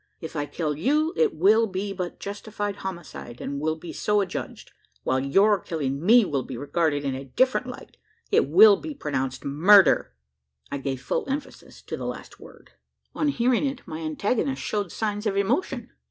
If I kill you, it will be but justifiable homicide, and will be so adjudged; while your killing me will be regarded in a different light: it will be pronounced murder!" I gave full emphasis to the last word. On hearing it my antagonist showed signs of emotion.